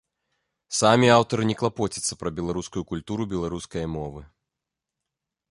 Самі аўтары не клапоцяцца пра беларускую культуру беларускае мовы.